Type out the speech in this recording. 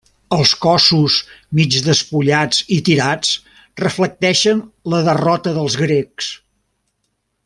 Els cossos, mig despullats i tirats, reflecteixen la derrota dels grecs.